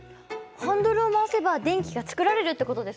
ハンドルを回せば電気が作られるってことですか？